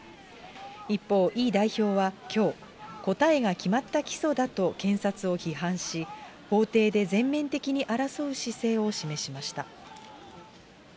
一方、イ代表はきょう、答えが決まった起訴だと検察を批判し、法廷で全面的に争う姿勢を示しました。